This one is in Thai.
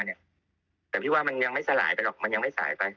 แต่พี่ว่ามันยังไม่สลายไปหรอกมันยังไม่สายไป